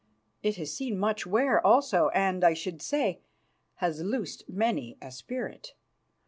It has seen much wear also, and, I should say, has loosed many a spirit.